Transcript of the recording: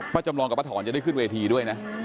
จำลองกับป้าถอนจะได้ขึ้นเวทีด้วยนะ